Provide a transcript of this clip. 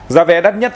giá vé đắt nhất